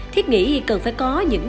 thiết nghĩ cần phải có những